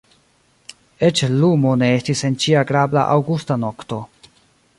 Eĉ lumo ne estis en ĉi agrabla aŭgusta nokto.